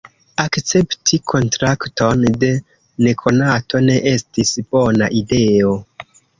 "Akcepti kontrakton de nekonato ne estis bona ideo!"